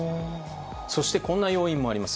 そしてこんな要因もあります。